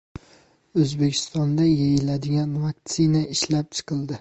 O‘zbekistonda yeyiladigan vaktsina ishlab chiqiladi